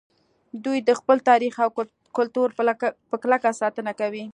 دوی د خپل تاریخ او کلتور په کلکه ساتنه کوي